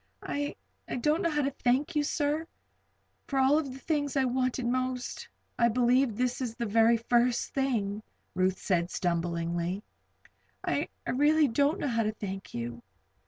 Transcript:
"I don't know how to thank you, sir; for of all the things I wanted most, I believe this is the very first thing," Ruth said, stumblingly. "I really don't know how to thank you."